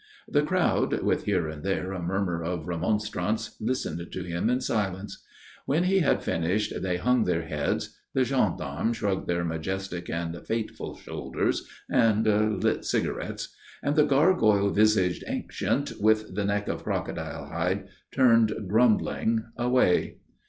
The crowd, with here and there a murmur of remonstrance, listened to him in silence. When he had finished they hung their heads, the gendarmes shrugged their majestic and fateful shoulders and lit cigarettes, and the gargoyle visaged ancient with the neck of crocodile hide turned grumbling away.